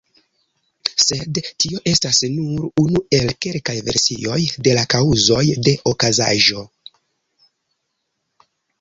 Sed tio estas nur unu el kelkaj versioj de la kaŭzoj de okazaĵo.